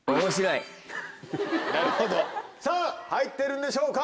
なるほどさぁ入ってるんでしょうか？